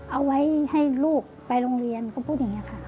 เอาไว้ให้ลูกไปโรงเรียนเขาพูดอย่างนี้ค่ะ